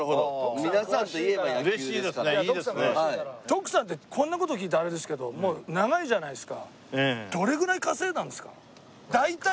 徳さんってこんな事聞いたらあれですけど大体でいいです。